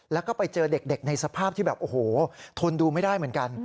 แล้วก็ไปเจอเด็กในสภาพที่แบบโอ้โหทนดูไม่ได้เหมือนกัน